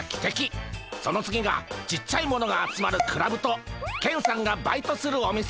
その次がちっちゃいものが集まるクラブとケンさんがバイトするお店。